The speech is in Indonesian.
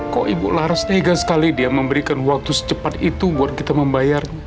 kok ibu laras tega sekali dia memberikan waktu secepat itu buat kita membayarnya